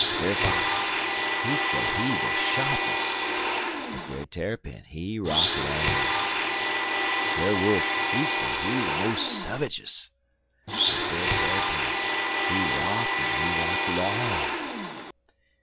Brer Fox, he say he de sharpes', but Brer Tarrypin he rock long. Brer Wolf, he say he de mos' suvvigus, but Brer Tarrypin, he rock en he rock long.